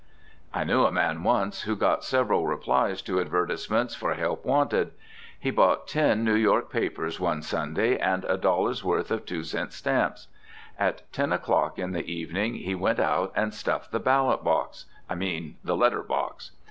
I knew a man once who got several replies to advertisements for help wanted. He bought ten New York papers one Sunday and a dollar's worth of two cent stamps. At ten o'clock in the evening he went out and stuffed the ballot box, I mean the letter box.